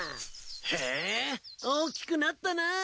へぇ大きくなったなぁ。